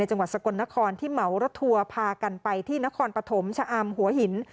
จังหวัดสกลนครที่เหมารถทัวร์พากันไปที่นครปฐมชะอำหัวหิน